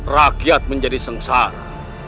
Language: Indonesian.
rakyat menjadi sengsara